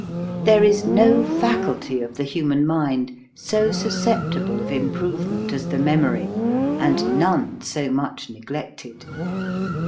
There is no faculty of the hu man mind so susceptible of improve ment as the memory, and none so much neglected.'